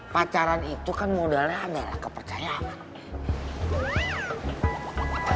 pacaran itu kan modalnya adalah kepercayaan